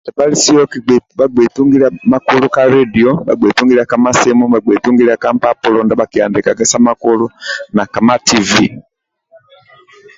Sebalisiyo babgei tungilya makulu ka lediyo babgei tungilya kama simu babgei tungilya ka mpapulo ndia bakihandikaga sa makulu na kama tv